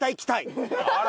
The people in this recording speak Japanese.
あら！